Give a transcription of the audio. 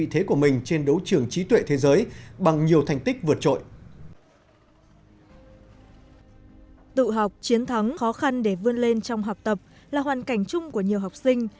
tự học chiến thắng khó khăn để vươn lên trong học tập là hoàn cảnh chung của nhiều học sinh